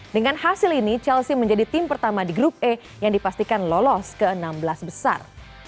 dengan hasil ini chelsea menjadi tim pertama di grup e yang dipastikan lolos ke enam belas besar